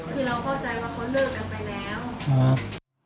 คือเราเข้าใจว่าเขาเลิกกันไปแล้วครับ